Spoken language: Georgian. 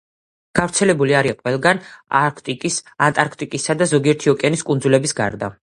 გავრცელებული არიან ყველგან, არქტიკის, ანტარქტიდისა და ზოგიერთი ოკეანის კუნძულების გარდა.